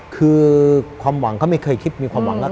คือความหวังก็ไม่เคยคิดมีความหวังแล้ว